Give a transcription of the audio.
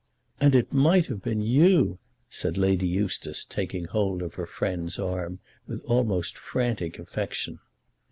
"And it might have been you!" said Lady Eustace, taking hold of her friend's arm with almost frantic affection.